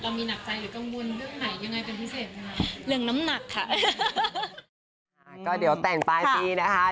เรามีหนักใจหรือก็มุนเรื่องไหนยังไงเป็นพิเศษครับ